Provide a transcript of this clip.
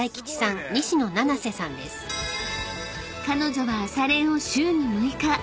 ［彼女は朝練を週に６日］